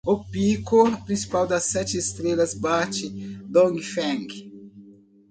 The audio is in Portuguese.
O pico principal das sete estrelas bate Dongfeng